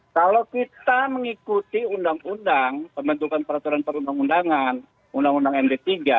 kalau kita mengikuti undang undang pembentukan peraturan perundang undangan undang undang md tiga